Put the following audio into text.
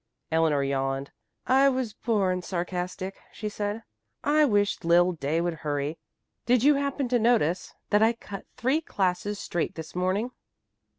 Eleanor yawned. "I was born sarcastic," she said. "I wish Lil Day would hurry. Did you happen to notice that I cut three classes straight this morning?"